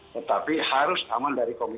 tetapi harus aman dari covid sembilan belas